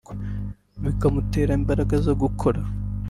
bikamutera imbaraga zo gukora